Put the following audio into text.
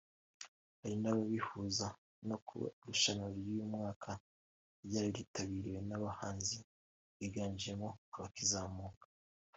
Hari n’ababihuza no kuba irushanwa ry’uyu mwaka ryaritabiriwe n’abahanzi biganjemo abakizamuka